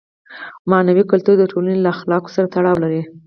معنوي کلتور د ټولنې له اخلاقو سره تړاو لري.